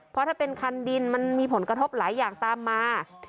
เพราะถ้าเป็นคันดินมันมีผลกระทบหลายอย่างตามมา